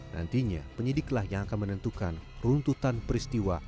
nantinya penyidiklah yang akan menentukan runtutan peristiwa